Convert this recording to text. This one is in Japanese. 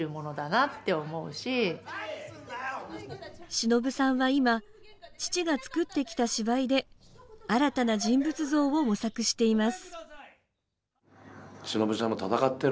しのぶさんは今、父が作ってきた芝居で新たな人物像を模索しています。